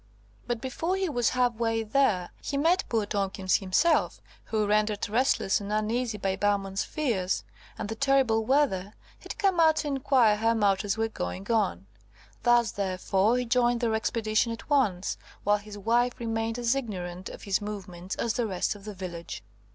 But before he was half way there, he met poor Tomkins himself, who, rendered restless and uneasy by Bowman's fears and the terrible weather, had come out to inquire how matters were going on. Thus, therefore, he joined their expedition at once, while his wife remained as ignorant of his movements as the rest of the village.